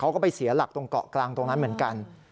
เขาก็ไปเสียหลักตรงเกาะกลางตรงนั้นเหมือนกัน